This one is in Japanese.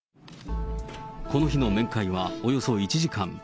この日の面会はおよそ１時間。